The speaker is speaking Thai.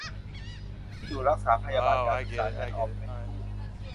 ที่อยู่-รักษาพยาบาล-การศึกษา-เงินออม-เงินกู้